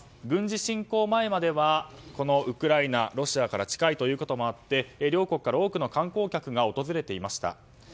軍事侵攻前まではウクライナロシアから近いこともあって両国から多くの観光客が訪れていました。